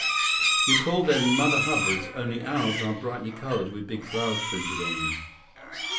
You call them mother hubbards, only ours are brightly colored with big flowers printed on them."